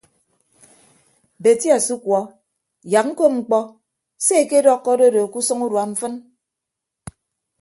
Beti asukuọ yak ñkop mkpọ se ekedọkkọ adodo ke usʌñ urua mfịn.